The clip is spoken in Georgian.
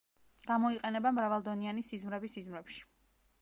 გამოიყენება მრავალდონიანი სიზმრები სიზმრებში.